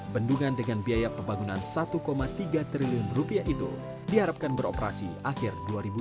bendungan dengan biaya pembangunan satu tiga triliun rupiah itu diharapkan beroperasi akhir dua ribu dua puluh